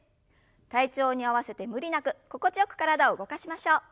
体調に合わせて無理なく心地よく体を動かしましょう。